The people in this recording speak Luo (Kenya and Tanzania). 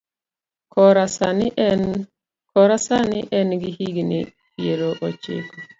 Kora sani en gi higni piero ochiko.